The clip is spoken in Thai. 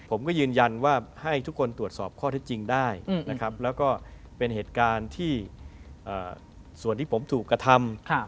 ผมก็ยืนยันว่าให้ทุกคนตรวจสอบข้อเท็จจริงได้นะครับแล้วก็เป็นเหตุการณ์ที่ส่วนที่ผมถูกกระทำ